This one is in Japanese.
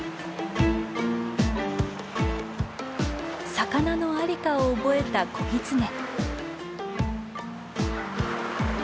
魚の在りかを覚えた子ギツネ。